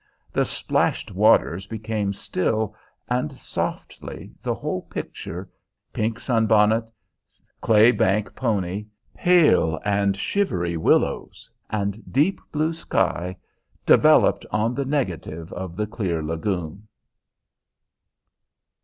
The splashed waters became still, and softly the whole picture pink sunbonnet, clay bank pony, pale and shivery willows, and deep blue sky developed on the negative of the clear lagoon.